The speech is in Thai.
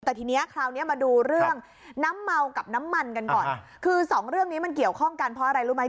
แต่ทีนี้คราวนี้มาดูเรื่องน้ำเมากับน้ำมันกันก่อนคือสองเรื่องนี้มันเกี่ยวข้องกันเพราะอะไรรู้ไหม